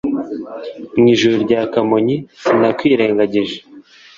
mu ijuru rya kamonyi sinakwirengagije